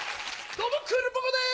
どうもクールポコ。です！